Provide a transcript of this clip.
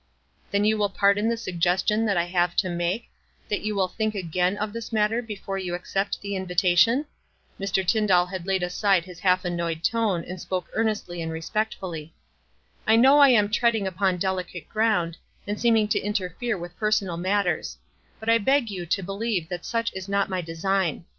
"Then will you pardon the suggestion that I have to make — that you will think again of this matter before you accept the invitation ?" Mr. Tyndall had laid aside his half annoyed tone, and spoke earnestly and respectfully. "I know 1 am treacling upon delicate ground, and seem ing to interfere with personal matters ; but [ beg you to believe that such is not my design.